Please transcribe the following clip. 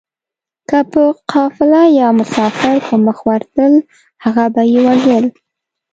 که به قافله يا مسافر په مخه ورتلل هغه به يې وژل